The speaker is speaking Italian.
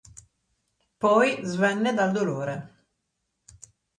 Poi svenne dal dolore.